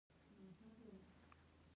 دا سیستم د خلکو ترمنځ مالي نظم رامنځته کوي.